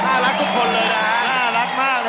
ขอบคุณครับ